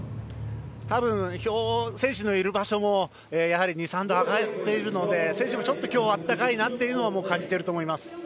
多分、選手のいる場所も２３度上がっているので選手もちょっと今日は暖かいなと感じていると思います。